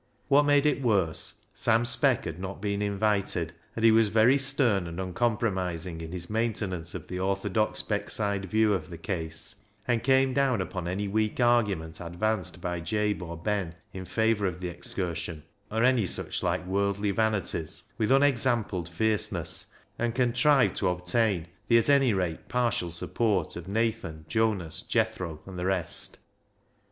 What made it worse, Sam Speck had not been invited, and he was very stern and uncompromising in his maintenance of the orthodox Beckside view of the case, and came down upon any weak argument advanced by Jabe or Ben in favour of the excursion, or any such like worldly vanities, with unexampled fierceness, and contrived to obtain the at any rate partial support of Nathan, Jonas, Jethro, and the rest.